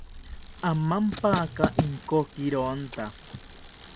Amampaya Inkokironta